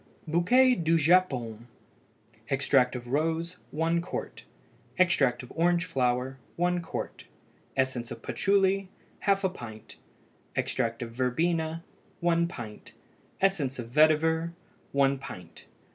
BOUQUET DU JAPON. Extract of rose 1 qt. Extract of orange flower 1 qt. Essence of patchouly ½ pint. Extract of verbena 1 pint. Essence of vetiver 1 pint.